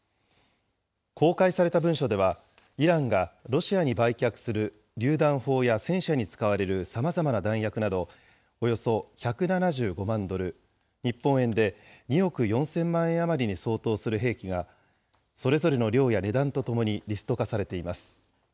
公開された文書では、イランがロシアに売却するりゅう弾砲や戦車に使われるさまざまな弾薬など、およそ１７５万ドル、日本円で２億４０００万円余りに相当する兵器が、それぞれの量や値段とともにリスト化されています。